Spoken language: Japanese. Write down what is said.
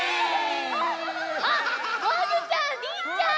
あっもぐちゃんりんちゃん！